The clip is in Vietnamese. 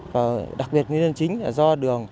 và đặc biệt nguyên nhân chính là do